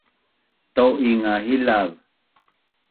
tau’ing nga hilav!